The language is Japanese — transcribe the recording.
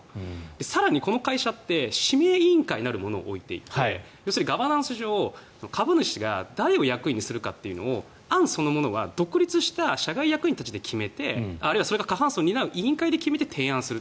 更にこの会社って指名委員会なるものを置いていて要するにガバナンス上株主が誰を役員にするかっていうのを案そのものは独立した社外役員たちで決めてあるいはそれが過半数を担う委員会で決めて提案する。